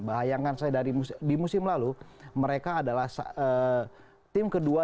bayangkan saya di musim lalu mereka adalah tim kedua